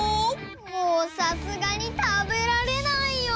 もうさすがにたべられないよ！